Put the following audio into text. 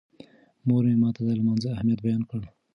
مور مې ماته د لمانځه اهمیت بیان کړ.